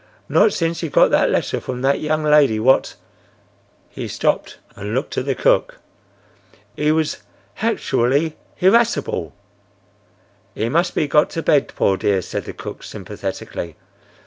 Not since he got that letter from that young lady what—." He stopped and looked at the cook.—"He was hactually hirascible!" "He must be got to bed, poor dear!" said the cook, sympathetically.